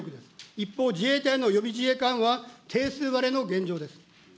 一方、自衛隊の予備自衛官は定数割れの現状です。